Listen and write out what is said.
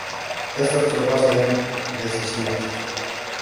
Estas tropas serían decisivas.